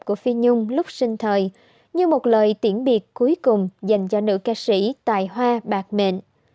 của phi nhung lúc sinh thời như một lời tiễn biệt cuối cùng dành cho nữ ca sĩ tài hoa bạc mện